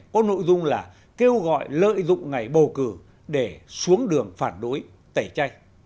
có nội dung là kêu gọi lợi dụng ngày bầu cử để xuống đường phản đối tẩy chay